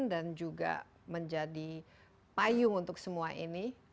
dan juga menjadi payung untuk semua ini